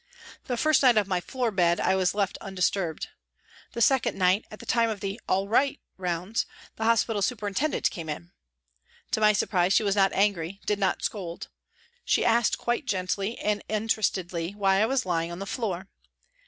The first night of my floor bed I was left undisturbed. The second night, at the time of the " All right ?" rounds, the hospital superintendent came in. To my surprise she was not angry, did not scold. She asked quite gently and interestedly why I was lying on the floor.